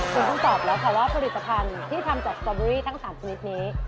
คุณต้องตอบแล้วค่ะว่าผลิตภัณฑ์ที่ทำจากสตอเบอรี่ทั้ง๓ชนิดนี้